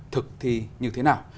thực thi như thế nào